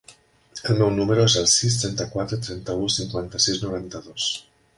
El meu número es el sis, trenta-quatre, trenta-u, cinquanta-sis, noranta-dos.